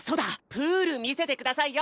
プール見せてくださいよ。